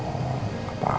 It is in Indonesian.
oke deh abisin nih sayang